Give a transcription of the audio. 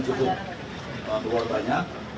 karena kendaraan cukup luar banyak